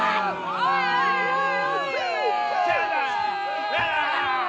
おい！